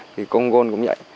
thì con gôn cũng vậy